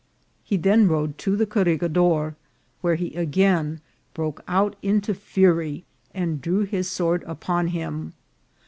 He then rode to the corregidor, where he again broke out into fury, and drew his sword upon him.